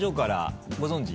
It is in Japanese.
ご存じ？